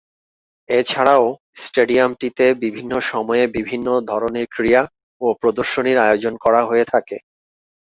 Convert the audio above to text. এছাড়াও, স্টেডিয়ামটিতে বিভিন্ন সময়ে বিভিন্ন ধরনের ক্রীড়া ও প্রদর্শনীর আয়োজন করা হয়ে থাকে।